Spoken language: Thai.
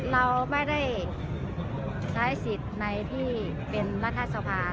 เราไม่ได้ใช้สิทธิ์ในที่เป็นรัฐสภา